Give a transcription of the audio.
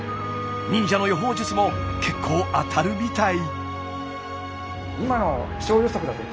忍者の予報術も結構当たるみたい。